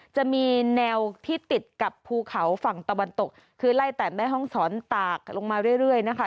จะมีแนวที่ติดกับภูเขาฝั่งตะวันตกคือไล่แต่แม่ห้องศรตากลงมาเรื่อยนะคะ